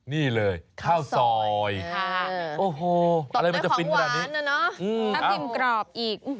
นี่เลยข้าวซอยโอ้โหอะไรมันจะปินแบบนี้ตกในของหวานนะเนอะต้องกินกรอบอีก